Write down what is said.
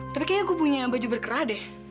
tapi kayaknya aku punya baju berkerah deh